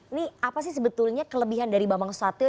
ini apa sih sebetulnya kelebihan dari bapak nuswatyoh